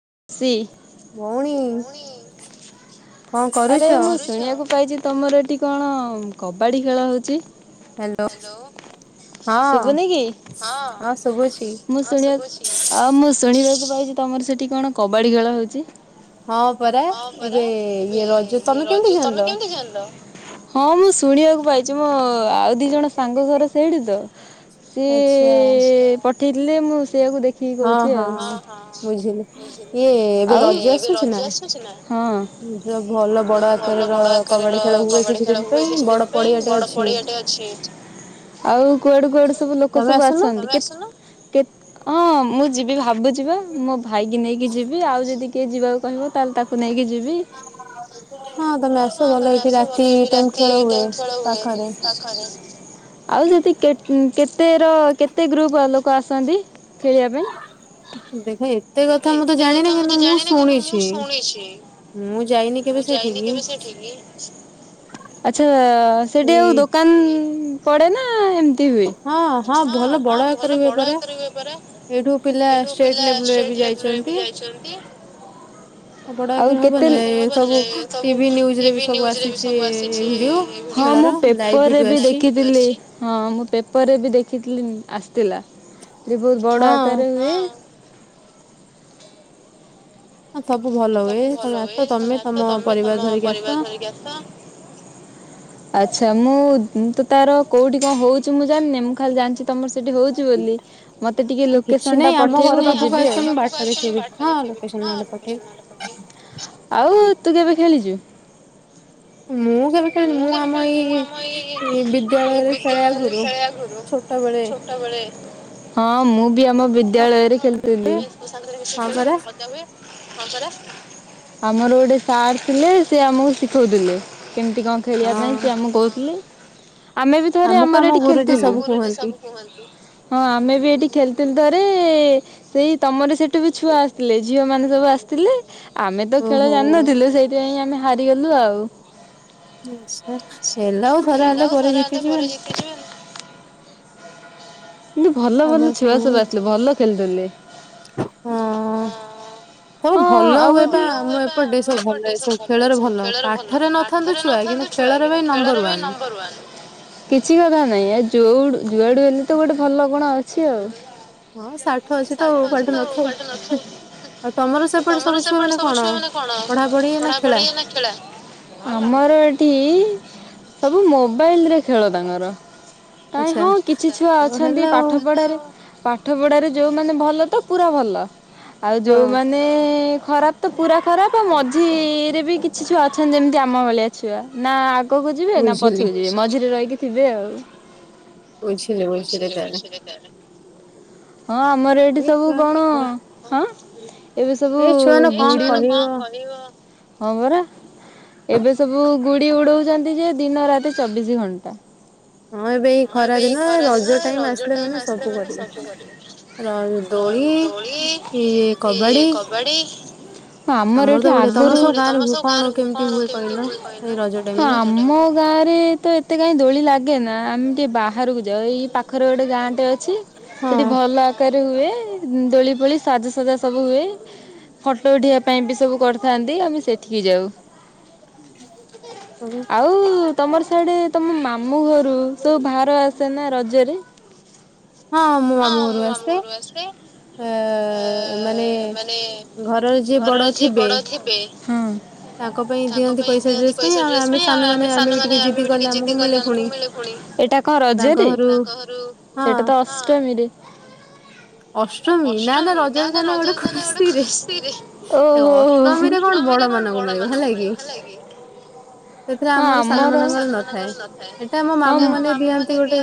[inaudible] ଆରେ ମୁଁ ଶୁଣିବାକୁ ପାଇଛି ତମର ଏଠି କଣ କବାଡ଼ି ଖେଳ ହଉଛି। ହ୍ୟାଲୋ ଶୁଭୁନି କି ମୁଁ ଶୁଣକୁ ମୁଁ ଶୁଣକୁ ରଛି ତମର ସେଠି କଣ କବାଡ଼ି ଖେଳ ହେଉଛି। ହଁ ପରା ଏବେ ଇଏ ରଜ ତମେ କେମିତି ଜାଣିଲ? ହଁ ମୁଁ ଶୁଣିବାକୁ ପାଇଛି ମୋ ଆଉ ଦି ଜଣ ସାଙ୍ଗ ଘର ସେଇଠି ତ ସିଏ ପଠେଇଥିଲେ ମୁଁ ସେଆକୁ ଦେଖ ହଁ ହଁ ବୁଝିଲି। ଆଉ ଏବେ ରଜ ଆସୁଛି ନା ହଁ ଭଲ ବଡ ଆକାରର କବାଡି ଖେଳ ହୁଏ କିଛି ଦିନ ପାଇଁ ବଡ ପଡିଆ ରେ ଅଛି ଆଉ କୁଆଡୁ କୁଆଡୁ ସବୁ ଲୋକ ସବୁ ଆସନ୍ତି। ତମେ ଆସୁନ ହଁ ମୁଁ ଯିବି ଭାବୁଛି। ମୋ ଭ ନେଇକି ଯିବି ଆଉ ଯଦି କିଏ ଯିବାକୁ କହିବ ତାହେଲେ ତାକୁ ନେଇକି ଯି ଯିବି ହଁ ତମେ ଆସ ଭଲ ଏଇଠି ରାତି କେଉ ଖେଳ ହୁଏ ପାଖରେ। ଆଉ ଯଦି କେ କେତେର କେତେ ଗ୍ରୁପ୍ ଲୋକ ଆସନ୍ତି। ଖେଳିିବା ପାଇଁ। ଦେଖେ ଏତେ କଥା ମୁ ତ ଜାଣିନି କିନ୍ତୁ ମୁଁ ଶୁଣିଛି। ମୁଁ ଯାଇନି କେବେ ସେଠିକି। ଆଛା ସେଠି ଆଉ ଦୋକାନ ପଡ଼େ ନା ଏମତି ହଁ ହଁ ଭଲ ବଡ ଆକାରେ ହୁଏ ପରା। ଏଇଠୁ ପିଲା ଷ୍ଟେଟ ଲେବୁଲ୍ ରେ ବି ଲେବୁଲ୍ ରେ ବି ଯାଇଛନ୍ତି। ଆଉ କେତେ ସବୁ ଟିଭି ନିୟୁଜରେ ବି ସବୁ ଆସିଛି ହଁ ମୁଁ ପେପରରେ ବି ଦେଖିଥିଲି। ହଁ ମୁଁ ପେପରରେ ପରେ ବି ଦେଖିଥିଲି ଆସିଥିଲା। ଯେ ବହୁତ ବଡ ଆକାରରେ ହୁଏ। ସବୁ ଭଲ ହୁଏ। ତମେ ଆସ ତମେ ତମ ପରିବାର ଧରିକି ଆସ। ଆଚ୍ଛା ମୁଁ ମୁଁ ତ ତାର କୋଉଠି କଣ ହଉଛି ମୁଁ ଜାନିନି। ମୁଁ ଖାଲି ଜାଣିଛି ତମ ସେଠି ହଉଛି ବୋଲି ମତେ ଟିକେ ଲୋକେସନ୍ ଟା ପଠେଇବୁ ମୁଁ ଯିବି ଆଉ। ଆଉ ତୁ କେବେ ଖେଳିଛୁ। ମୁଁ କେବେ ଖେଳିନି। ମୁଁ ଆମ ଏଇ ବିଦ୍ୟାଳୟରେ ଖେଳେ ଆଗୁରୁ ଛୋଟ ବେଳେ। ହଁ। ମୁଁ ବି ଆମ ବିଦ୍ୟାଳୟରେ ଖେଳିଥିଲି। ଆମର ଗୋଟେ ସାର୍ ଥିଲେ ସେ ଆମକୁ ଶିଖଉଥିଲେ। କେମିତି କଣ ଖେଳିବା ପାଇଁ ସିଏ ଆମକୁ କହୁଥିଲେ। ଆମେ ବି ଥରେ ଆମର ଏଇଠି ଖେଳୁଥିଲୁ। ହଁ ଆମେ ବି ଏଇଠି ଖେଳୁଥିଲୁ। ଘରେ ସେଇ ତମର ସେଠୁ ବି ଛୁଆ ଆସିଥିଲେ। ଝିଅ ମାନେ ସବୁ ଆସିଥିଲେ। ଆମେ ତ ଖେଳ ଜାଣିନଥିଲୁ। ସେଇଥିପାଇଁ ଆମେ ହାରିଗଲୁ ଆଉ। ଆଛା ହେଲା ଆଉ ଥରେ ଅଧେ ପରେ ଜିତି ଯିବନି। କିନ୍ତୁ ଭଲ ଭଲ ଛୁଆ ସବୁ ଆସିଲେ। ଭଲ କେଲ୍ ଦେଲେ। ହଁ ସବୁ ଭଲ ହୁଏ ପା। ଆମ ଏପଟେ ସବୁ ଭଲ ଏସବୁ ଖେଳରେ ଭଲ। ପାଠରେ ନଥାନ୍ତୁ ପାଠରେ ନଥାନ୍ତୁ ଛୁଆ। କିନ୍ତୁ ଖେଳରେ ବି ନମ୍ବର ୱାନ୍। କିଛି କଥା ନାଇଁ। ଏ ଯୋଉ ଯୁଆଡୁ ହେଲେ ତ ଗୋଟେ ଭଲ ଗୁଣ ଅଛି ଆଉ। ହଁ ସାଠ ଅଛି ତ ପାଠ ନଥାଉ। ଆଉ ତମର ସେପଟେ ସବୁ ଛୁଆମାନେ କଣ ପଢାପଢି ନା ଖେଳା। ଆମର ଏଠି ସବୁ ମୋବାଇଲ୍ ରେ ଖେଳ ତାଙ୍କର। କାଇଁ ହଁ କିଛି ଛୁଆ ଅଛନ୍ତି ପାଠ ପଢାରେ ପାଠ ପଢାରେ ଯୋଉମାନେ ଭଲ ତ ପୁରା ଭଲ। ଆଉ ଯୋଉମାନେ ଖରାପ ତ ପୁରା ଖରାପ। ଆଉ ମଝିରେ ବି କିଛି ଛୁଆ ଅଛନ୍ତି। ଏମିତି ଆମ ଭଳିଆ ଛୁଆ। ନା ଆଗ୍ ଖକୁ ଯିବେ ନା ପଛକୁ ଯିବେ। ମଝିରେ ରହିକି କେବେ ଆଉ ବୁଝିଲି ବୁଝିଲି ତାହାଲେ। ହଁ ଆମର ଏଠି ସବୁ କଣ ହଁ ଏବେ ସବୁୁ ଗୁଡ଼ି କଣ କରିବ। ହଁ [inaudible] ଏବେ ସବୁ ଗୁଡ଼ି ଉଡଉଛନ୍ତି ଯେ ଦିନ ରାତି ଚବିଶି ଘଣ୍ଟା। ହଁ ଏବେ ଏଇ ଖରା ଦିନ ରଜ ଟାଇମ ଆସିଲେ ମାନେ ସବୁ କରିବେ ର ଦୋଳି ଇ କବାଡି ଆମର ତ ଗୁଡେ ତମର ସବୁ ଗାଁରେ ହୁ କଣ କେମିତି ହୁଅ ହଁ ଆମ ଗାଁ ରେ ତ ଏତେ କାଇଁ ଦୋଳି ଲାଗେ ଆମେ ଟିକେ ବାହାରକୁ ଯାଉ ଏଇ ପାଖରେ ଗୋଟେ ଗାଁ ଟେ ଅଛି ସେଠି ଭଲ ଆକାର ହୁଏ ଦୋଳି ଫୋଳି ସାଜାସଜା ସବୁ ହୁଏ। ଫଟୋ ଉଠେଇିବା ପାଇଁ ବି ସବୁ କରିଥାନ୍ତି। ଆମେ ସେଠିକି ଯାଉ। [inaudible] ତମର ସଡେ ତମ ମାମୁଁ ଘରୁ ସବୁ ଭାର ଆସେ ନା ରଜରେ। ହଁ ମୁଁ ଆମ ଘରୁ ଆସେ। ଆ ମାନେ ଘରର ଯିଏ ବଡ ଥିବେ ହୁଁ। ତା ତାଙ୍କ ପାଇଁ ଦିଅନ୍ତି ପଇସା ଡ୍ରେସ ପାଇଁ। ଆ ଆମେ ସାନ ମାନେ ଟିକେ ଜିତି କଲେ ଆମକୁ ମିଳେ ଫୁଣି। ଏଟା କଣ ରଜରେ ତାଙ୍କ ଘରୁ ସେଟା ତ ଅଷ୍ଟମୀ ଅଷ୍ଟମୀ ନା ରଜ ଗୋଟେ ଖୁସିରେ ଓହୋ ଅଷ୍ଟମିରେ କଣ ବଡ ମାନଙ୍କ ହଁ ଆମରଁ ମ ମ ଦିଅ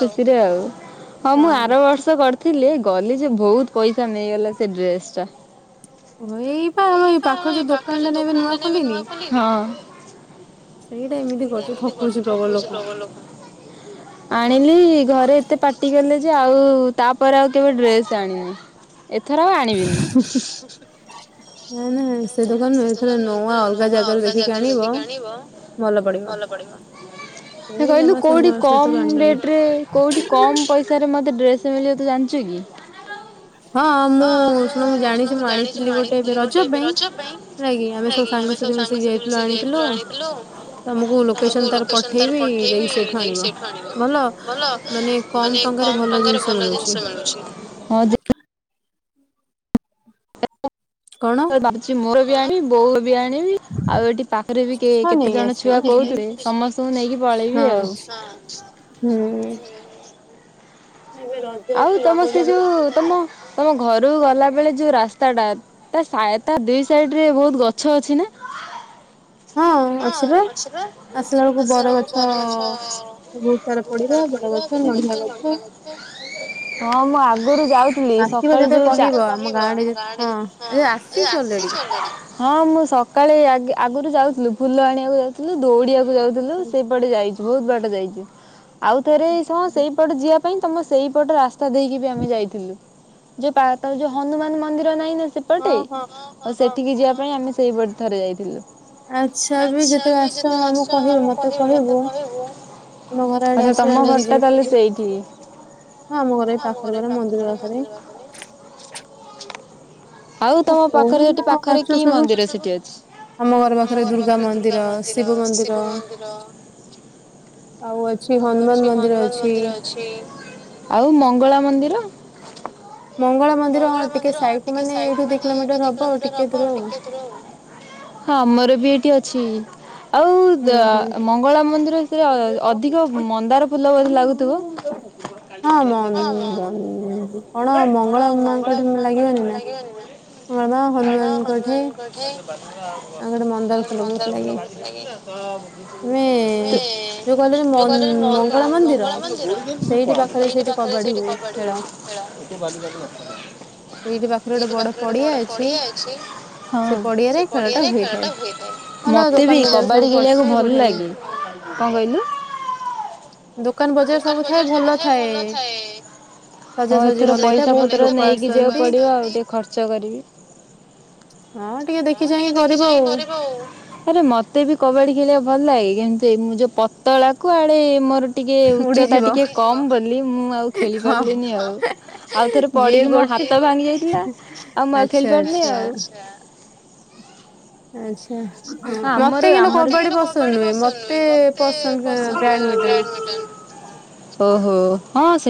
ଖୁସିରେ ଆ ହଁ ମୁଁ ଆର ବର୍ଷ କରି ଥିଲେ ଗଲେ ଯେ ବହୁତ ପଇସା ନେଇଗଲା ସେ ଡ୍ରେସ ଟା। ହ ଏଇପ ଆମ ଏଇ ପାଖ ଯୋଉ ଦୋକାନ ଟା ନାଇଁ ନ ନୂଆ ଖୋଲିନି ହିଁ। ଆଣିଲି ଘରେ ଏତେ ପାଟି କଲେ ଆଉ ତାପରେ ଆଉ କେବେ ଡ୍ରେସ ଆଣିନି। ଏଥର ଆଉ ଆଣିବିନି। ହ ନା କହିଲୁ କୋଉଠି କମ୍ ରେଟ ରେ କୋଉଠି କମ ପଇସା ରେ ମତେ ଡ୍ରେସ୍ ସେମ ତୁ ଜାଣିଛୁ କି। ହଁ ମୁଁ ଶୁଣ ମୁଁ ଜାଣିଛି ମୁଁ ଆଣିଥିଲି ଗୋଟେ ଏବେ ରଜ ପାଇଁ ନ ଆମେ ସବୁ ସାଙ୍ଗସାଥି ମିଶିକି ଯାଇଥିଲୁ ଆଣିଥିଲୁ ତମକୁ ଲୋକେସନ ତାର ପଠେଇବି ଯାଇକି ସେଇଠୁ ଆଣିବ ଭଲ ମାନେ କମ ଟଙ୍କାରେ ଭଲ ଜିନିଷ ମିଳୁଛି। ହଁ [inaudible] ମୋର ନାହିଁ ବୋଉର ବି ଆଣିବି ଆଉ ଏଠି ପାଖରେ ବି କେ କେତେ ଜଣ ଛୁଆ କୋହୁଥୁଲେ ସମସ୍ତଙ୍କୁ ନେଇକି ପଳେଇବି ଆଉ। ଆଉ ତମ ସେ ଯୋଉ ତମ ତମ ଘ ରୁ ଗଲା ବେଳେ ଯୋଉ ରାସ୍ତାଟା ତା ସା ତା ଦି ସାଇଡରେ ବୋହୁତ ଗଛ ଅଛି ନାଁ? ହଁ ମୁଁ ଆଗୁରୁ ଯାଉଥିଲି ସକାଳୁ ଚା ହଁ ମୁଁ ସକାଳେ ଆଗେ ଅଗୁରୁ ଯାଉଥୁଲି। ଫୁଲ ଆଣିଆକୁ ଯାଉଥୁଲୁ ଦୌଡିିଆ କୁ ଯାଉଥୁଲୁ ସେଇପଟେ ଯାଇଚୁ ବୋହୁତ ବାଟ ଯାଇଚୁ। ଆଉ ଥରେ ଏଇ ସଁ ସେଇପଟେ ଯିଆ ପାଇଁ ତମ ସେଇପଟ ରାସ୍ ତ ଦେଇକି ବି ଆମେ ଯାଇଥିଲୁ। ଯୋଉ ତା ତ ଯୋଉ ହନୁମାନ ମନ୍ଦିର ନାହିଁ ନାଁ ସେପଟେ ଆଉ ସେଠିକି ଯିବା ପାଇଁ ଆମେ ସେଇପଟେ ଥରେ ଯାଇଥିଲୁ। ଆଚ୍ଛା ବି ଯେତୋଳେ ଆସଚ ଆମ ପାଖରେ ମତେ କହିବ ଆମ ଘର ଆଡ଼େ ଆସିବ ବୁଲିକି ଯିବ। ହଁ ଆମ ଘର ଏ ପାଖରେ ପରା ମନ୍ଦିର ପାଖରେ। ଆଉ ତମ ପାଖରେ ହେଠି ପାଖରେ କି ମନ୍ଦିର ସେଠି ଅଛି? ଆଉ ମଙ୍ଗଳା ମନ୍ଦିର [unintelligible] ହଁ ଆମର ତେ ଅଛି। ଆଉ ଯା ମଙ୍ଗଳା ମନ୍ଦିର ସିଏ ଅ ଅ ଅଧିକ ମନ୍ଦାର ଫୁଲ ବୋଧେ ଲାଗୁଥୁବ? ହଁ ମଂ ଗୋଟେ [unintelligible] ମଙ୍ଗଳା ମାଙ୍କ ଠାରୁ ଲାଗିବନେଇ ନାଁ ନେବା ହନୁମାନଙ୍କଠି ଆଉ ଗୋଟେ ମନ୍ଦାର ଫୁଲ ବୋହୁତ ଲାଗେ। ତମେ ଯୋଉ କହିଲନି ମ ମଙ୍ଗଳା ମନ୍ଦିର ହଁ। ମତେ ବି କବାଡ଼ି ଖେଳିଆକୁ ଭଲ ଲାଗେ। କଁ କହିଲୁ? ହଁ ଏଥର ପଇସା ପତ୍ର ନେଇକି ଯିବାକୁ ପଡିବ ଆଉ ଟିକେ ଖର୍ଚ୍ଚ କରିବି। ଆରେ ମତେ ବି କବାଡି ହିଲେ ଭଲ ଲାଗେ କିନ୍ତୁ ଏ ମୁଁ ଯୋଉ ପତଳାକୁ ଆଡେ ମୋର ଟିକେ ଉଚ୍ଚତା ଟିକେ କମ ବୋଲି ମୁଁ ଆଉ ଖେଳି ପାରିଲିନି ଆଉ। ଆଉ ଥରେ ପଡିକି ମୋ ହାତ ଭାଙ୍ଗି ଯାଇଥିଲା ଆଉ ମୁଁ ଆଉ ଖେଳି ପାରୁନି ଆଉ। ଆଚ୍ଛା। ଆମର ଆମର ମୋତେ କିନ୍ତୁ କବାଡି ପସନ୍ଦ ନୁହେଁ ମତେ ପସନ୍ଦ ବ୍ଯା ବ୍ୟାଟମିଟନ ଓହୋ।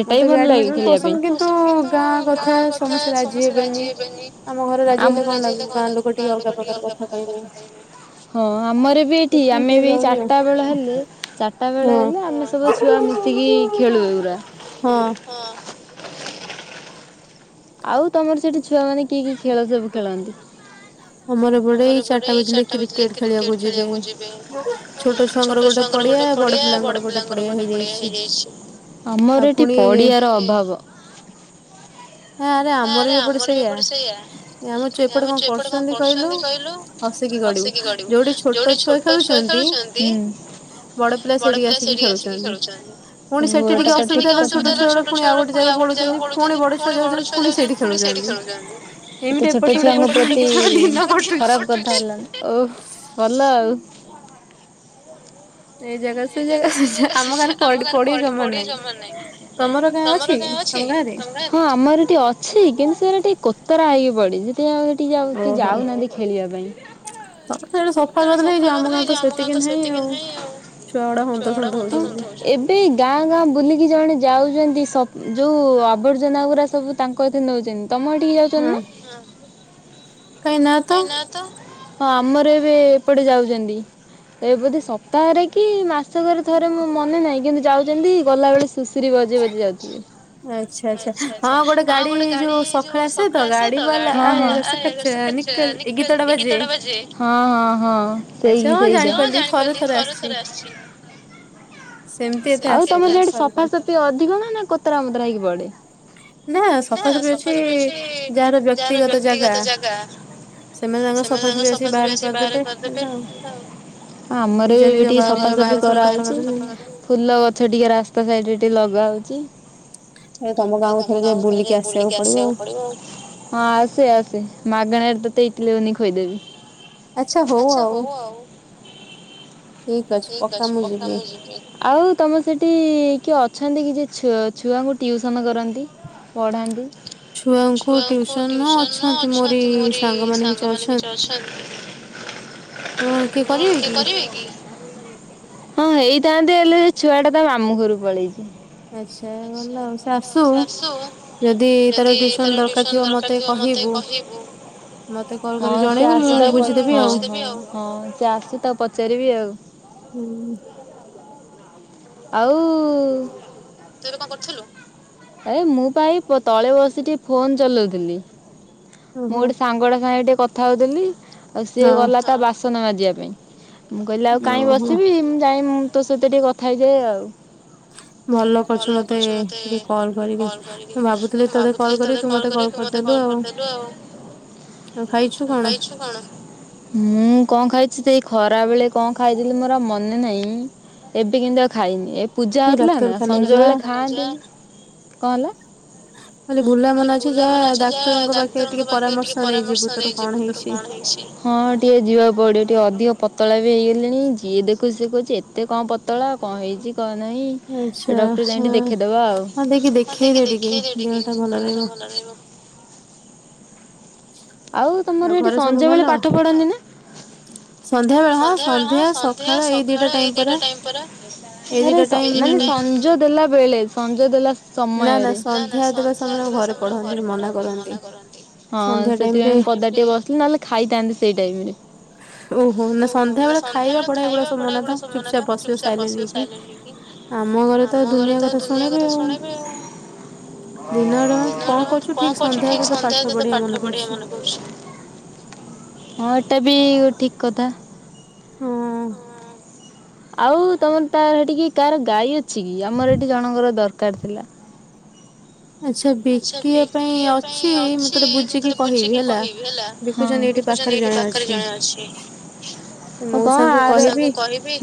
ମତେ ବ୍ୟାଡମିଣ୍ଟନ ପସନ୍ଦ କିନ୍ତୁ ଗାଁ କଥା ସମସ୍ତେ ରାଜି ହେବେନି ଆମ ଘର ରାଜି ହେଲେ କଣ ଲାଗିବ ଗାଁ ଲୋକ ଟିକେ ଅଲଗା ପ୍ରକାର କଥା କହିବେ। ହଁ ଆମର ବି ଏଇଠି ଆମେ ବି ଚାରିଟା ବେଳ ହେଲେ ଚାରିଟା ବେଳେ ହେଲେ ଆମେ ସବୁ ଛୁଆ ମିତିକି ଖେଳୁ। ହଁ ଆଉ ତମର ସେଠି ଛୁଆ ମାନେ କି କି ଖେଳ ସବୁ ଖେଳନ୍ତି? ଆମର ଏପଟେ ଚାରିଟା ବଜିଲେ କ୍ରିକେଟ ଖେଳିବାକୁ ଯିବେ ଛୋଟ ଛୁଆଙ୍କର ଗୋଟେ ପଡିଆ ବଡ ପିଲାଙ୍କର ଗୋଟେ ପଡିଆ ହେଇଯାଇଛି ଆମର ଏଠି ପଡିଆର ଅଭାବ। ହେ ଆରେ ଆମର ବି ଏପଟେ ସେଇଆ ଏ ଆମ ଯୁଆଡେ [unintelligible] ଯାଉଚନ୍ତି ଫୁଣି ସେଇଟି ଖେଳୁଚନ୍ତି ଏତ ଛୋଟ ଛୁଆଙ୍କ ପ୍ରତି ଖରାପ କଥା ହେଲାଣି ଓ ଭଲ ଆଉ। ହଁ ଆମର ଏଇଟି ଅଛି କିନ୍ତୁ ସେରା ଟିକେ କୋତରା। [unintelligible] ଯାଉଛି ଯାଉନାହାନ୍ତି ଖେଳିବା ପାଇଁ କେତେବେଳେ ସଫା କରିଦେଲେ ହେଇଯିବ ଆମ ଗାଁ ତ ସେତିକି ନାହିଁ ଆଉ। ଛୁଆଗୁଡା ହନ୍ତ ସନ୍ତ ହଉଚନ୍ତି ଏବେ ଗାଁ ଗାଁ ବୁଲିକି ଜଣେ ଯାଉ ଚନ୍ତି ସବ ଯୋଉ ଆବର୍ଜନା ଗୁରା ସବୁ ତାଙ୍କ କତିକି ନଉଚନ୍ତି। ତମ ହେଟିକି ଯାଉଛନ୍ତି ନାଁ ହଁ କାଇଁ ନା ତ। ହଁ ଆମର ଏବେ ଏପଟେ ଯାଉଚନ୍ତି ଏ ବୋଧେ ସପ୍ତାହରେ କି ମାସକରେ ଥରେ ମୁଁ ମନେ ନାହିଁ କିନ୍ତୁ ଯାଉଛନ୍ତି ଗଲାବେ ଖୁସିରେ ବଜେଇ ବଜେଇ ଯାଉଚି। ଆଚ୍ଛା ଆଚ୍ଛା ହଁ ଗୋଟେ ଗାଡ଼ି ଜଉ ସକାଳେ ଆସେ ତ ଗାଡ଼ି ହଁ ହଁ [unintelligible] ଏଇ ଗୀତ ଟା ବାଜେ। ହଁ ସେଇ ସେଇ ହଁ ଜାଣିପାରିଲି ଥରେ ଥରେ ଆସଚି। ଆଉ ତମର ଯଉ ଏଠି ସଫାସଫି ଅଧିକ ନା ନା କୋତରା ମୋତରା ହେଇକି ନା ସଫାସଫି ଅଛି ଯାହାର ବ୍ୟକ୍ତିଗତ ଜାଗା ସେମାନେ ତାଙ୍କ ସଫାସଫି ଆସିକି ବାହାରେ କରିଦେବେ ହେଲେ ଆଉ ନିଜ ନିଜ ଘର ବାହା କରାହଉଛି ଫୁଲ ଗଛ ଟିକେ ରାସ୍ତା ସାଇଡ ଇ ଲଗା ହଉଚି। ତମ ଗାଁକୁ ଥରେ ଯେ ବୁଲିକି ଆସିବାକୁ ପଡିବ ହଁ ଆସେ ଆସେ ମାଗଣାରେ ତତେ କ୍ଳିନୁଇ ଖୋଇଦେବି। ଆଚ୍ଛା ହଉ ଆଉ। ଠିକ ଅଛି ପକାନି ସେଇଥିରେ ଆଉ ତମର ସେଠି କିଏ ଅଛନ୍ତି କି? ଛୁଆ ଛୁଆଙ୍କୁ ଟିଉସନ୍ କରନ୍ତି ପଢ଼ା ଛୁଆଙ୍କୁ ଟିଉସନ ଅଛନ୍ତି ମୋରି ସାଙ୍ଗ ମାନ କିଛି ଅଛନ୍ତି ମୁ କିଏ କରିବେ କି? ହଁ ହେଇଥାନ୍ତନ୍ତି ହେଲେ ସେ ଛୁଆ ଟା ତା ମାମୁ ଘକୁ ପଳେଇଛି। [inaudible] ହୁଁ। ଆଉ ତୁ ଏବେ କଣ କରୁଥିଲି ମୁଁ ବା ଏଇ ତଳେ ବସିିକ ଫୋନ ଚଲଉଥିଲି। ମୋ ଗୋଟେ ସାଙ୍ଗ ଟେ ସହି କଥା ହଉଥିଲି ଆଉ ସିଏ ଗଲା ତା ବାସି ଯିବା ପାଇଁ ମୁଁ କହିଲି ଆଉ କାଇହିଁ ବସିବି ମୁଁ ଯାଇ ସେ ଟେ କ ଥାାଇ ଯେ ଆଉ। ଭଲ କରୁଛୁ ମତେ କଲ କରିକି। ମୁଁ ଭାବୁଥିଲି ତତେ କଲ କରିବି ତୁ ମତେ କଲ କରିଦେଲୁ ଆଉ। ଖାଇଛୁ କଣ? ମୁଁ କଣ ଖାଇଛି ଖରା ବେଳେ କଣ ଖାଇଥିଲି ମୋର ମନେ ନାହିଁ, ଏବେ କିନ୍ତୁ ଆଉ ଖାଇନି। ପୂା ହଉଥିଲା ନା ସଞ ବଳେ ଖାଆନ୍ତ କଣ ହେଲା ହଁ ଟିକେ ଯିବାକୁଡିବ ଟ ଅଧିକ ପତଳାଇ ଯିଏ ଦେଖୁ କ ଏତେ କଣ ପତଳା କଣ ହେଇଛି। କ ନାହିଁ ଡକ୍ଟର ଯାଇ ଦେଖେଇଦବା ଆଉଖେଇ ଦେହ ଭଲହିବ ଆଉ ତମର ସେଠି ସନ୍ଧ୍ୟା ବଳେ ପାଠ ପଢନ୍ତି ନା ସଧ୍ୟାବେଳେ ହଁ ସଧ୍ୟା ସକାଳ ଏଇ ଦି ମାନ ସଞ୍ଜ ଦେଲା ବେଳେ ସଞ୍ଜ ଦେଲା ସମୟରେ ସନ୍ଧ୍ୟା ସମୟ ଘ ମ କରନ୍ତି। ହଁ ସେଥିପାଇଁ ମୁ ପଦା ଟିକେ ବସିଲି ନହେଲେ ଖାଇଥାନ୍ତନ୍ତି। ସେଇ ଟାଇରେ ଓହୋ ସନ୍ଧ୍ୟାବେଳେ ଖାଇବା ହେଇ ଆମ ଘରେ ତ ଦୁନିଆ କଥା ଶୁଣେଇବେ ଆଉ ଦିନଟା କଣ କରୁଛୁ ଠିକ ସନ୍ଧ୍ୟା ସତ ହଁ ପାଠ ପ ଏଟା ବି ଠିକ କଥା। ହଁ। ଆଉ ତମର ତ ସେଠିକି କାହାର ଗାଈ ଅଛି। ଅଛି କି ଆମର ଏଠି ଜଣଙ୍କର ଦରକାର। କରିଥିଲା। ଆଚ୍ଛା ବିକିବା ପାଇଁ ଅଛି ମୁଁ ତ ବୁଝିକି କହିବି ହେଲା ବିକୁଛନ୍ତି ଏଇଠି ପାଖରେ ଜଣେ ଅଛି କ ଆ କହିବି